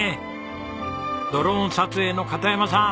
ドローン撮影の片山さん